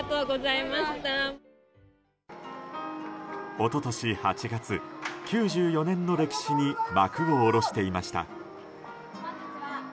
一昨年８月、９４年の歴史に幕を下ろしていました。